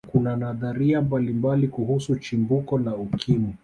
kuna nadharia mbalimbali kuhusu chimbuko la ukimwi